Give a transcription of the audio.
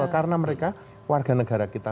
karena mereka warga negara kita